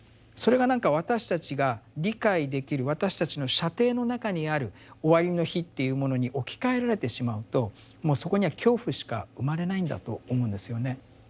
それが何か私たちが理解できる私たちの射程の中にある「終わりの日」っていうものに置き換えられてしまうともうそこには恐怖しか生まれないんだと思うんですよね。